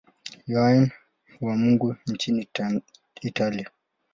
Yohane wa Mungu nchini Italia.